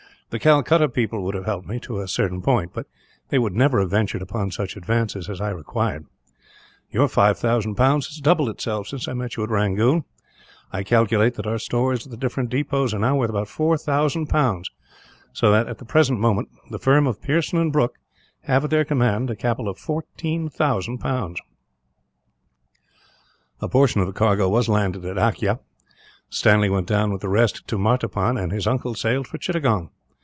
The Calcutta people would have helped me, to a certain point; but they would never have ventured upon such advances as I required. Your 5000 pounds has doubled itself since I met you at Rangoon. I calculate that our stores at the different depots are worth 4000 pounds so that, at the present moment, the firm of Pearson & Brooke have at their command a capital of 14,000 pounds." A portion of the cargo was landed at Akyah. Stanley went down with the rest to Martaban, and his uncle sailed for Chittagong.